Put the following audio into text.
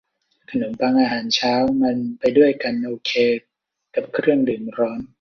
ขนมปังอาหารเช้ามันไปด้วยกันโอเคกับเครื่องดื่มร้อน